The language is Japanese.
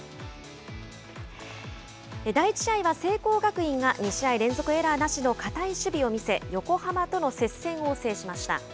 第１試合は聖光学院が２試合連続エラーなしの堅い守備を見せ、横浜との接戦を制しました。